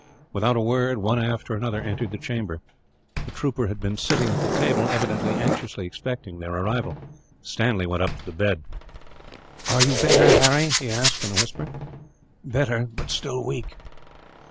Without a word, one after another entered the chamber. The trooper had been sitting at the table, evidently anxiously expecting their arrival. Stanley went up to the bed. "Are you better, Harry?" he asked, in a whisper. "Better, but still weak."